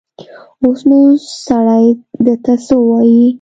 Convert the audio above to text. اوس نو سړی ده ته څه ووايي.